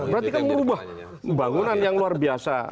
berarti kan merubah bangunan yang luar biasa